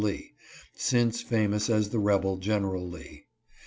Lee, since famous as the rebel General Lee.